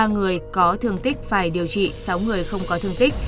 ba người có thương tích phải điều trị sáu người không có thương tích